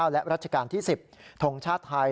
และรัชกาล๔ทรงชาติไทย